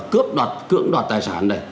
cướp đoạt tài sản này